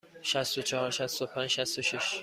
شصت و چهار، شصت و پنج، شصت و شش.